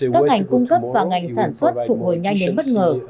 các ngành cung cấp và ngành sản xuất phục hồi nhanh đến bất ngờ